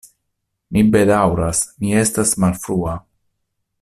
Mi bedaŭras, mi estas malfrua.